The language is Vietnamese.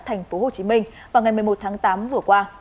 tp hcm vào ngày một mươi một tháng tám vừa qua